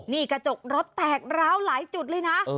นี่กระจกรถแตกร้าวหลายจุดเลยนะ